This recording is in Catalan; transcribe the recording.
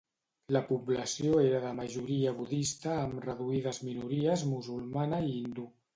La població era de majoria budista amb reduïdes minories musulmana i hindú.